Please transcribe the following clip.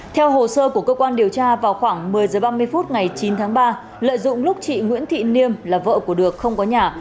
theo hồ sơ của cơ quan điều tra vào khoảng một mươi h ba mươi phút ngày chín tháng ba lợi dụng lúc chị nguyễn thị niêm là vợ của được không có nhà